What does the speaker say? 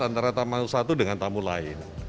antara tamu satu dengan tamu lain